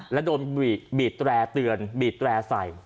และโดนบีบแตร่เตือนบีดแตร่ใส่